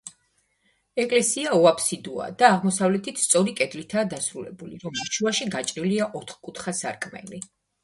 ეკლესია უაფსიდოა და აღმოსავლეთით სწორი კედლითაა დასრულებული, რომლის შუაში გაჭრილია ოთხკუთხა სარკმელი.